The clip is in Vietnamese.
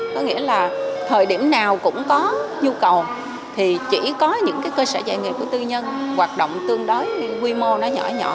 có nghĩa là thời điểm nào cũng có nhu cầu thì chỉ có những cơ sở dạy nghề của tư nhân hoạt động tương đối quy mô nó nhỏ nhỏ